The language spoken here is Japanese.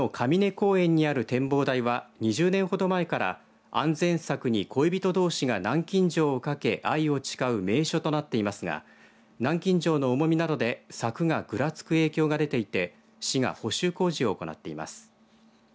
公園にある展望台は２０年ほど前から安全柵に恋人どうしが南京錠をかけ愛を誓う名所となっていますが南京錠の重みなどで柵が、ぐらつく影響が出ていて市が補修工事を行っています。